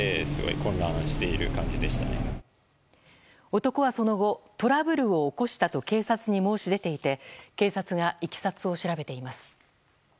男は、その後トラブルを起こしたと警察に申し出ていて警察がいきさつを調べています。